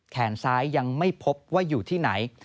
แขนซ้ายยังไม่พบว่าอยู่ที่ไหน